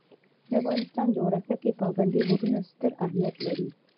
د افغانستان جغرافیه کې پابندی غرونه ستر اهمیت لري.